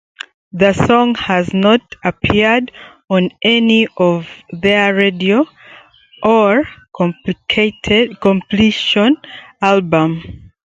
The song has not appeared on any of their studio or compilation albums.